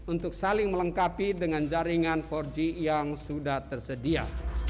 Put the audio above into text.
untuk saling melengkapi dengan jaringan empat g yang sudah tersedia